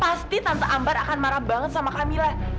pasti tante ambar akan marah banget sama camilla